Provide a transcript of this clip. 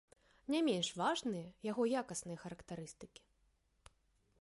Не менш важныя яго якасныя характарыстыкі.